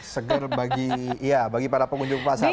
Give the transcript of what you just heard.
seger bagi iya bagi para pengunjung pasar